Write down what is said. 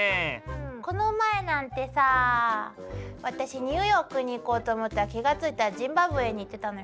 この前なんてさぁ私ニューヨークに行こうと思ったら気が付いたらジンバブエに行ってたのよ。